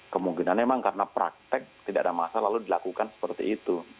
kemungkinan memang karena praktek tidak ada masalah lalu dilakukan seperti itu